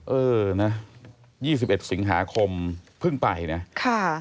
เออนะ๒๑สิงหาคมเพิ่งไปนะค่ะ